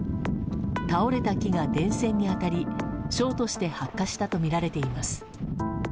倒れた木が電線に当たりショートして発火したとみられています。